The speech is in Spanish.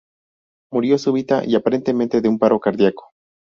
Murió súbita y aparentemente de un paro cardíaco.